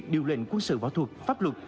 điều lệnh quân sự võ thuật pháp luật